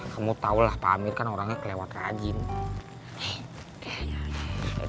kamu tahulah pak amir kan orangnya kelewat kaji nih